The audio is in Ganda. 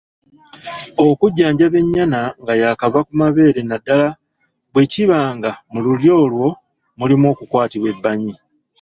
Okujjanjaba ennyana nga yaakava ku mabeere naddala bwe kiba nga mu lulyo olwo mulimu okukwatibwa ebbanyi.